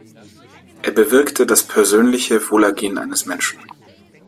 Er bewirkte das persönliche Wohlergehen eines Menschen.